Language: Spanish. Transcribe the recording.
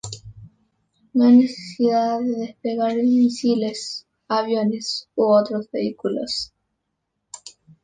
No hay necesidad de desplegar misiles, aviones u otros vehículos.